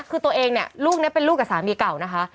คือตัวเองเนี่ยลูกนี้เป็นลูกกับสามีเก่านะคะ